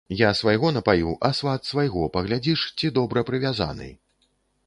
Я свайго напаю, а сват свайго паглядзіш, ці добра прывязаны.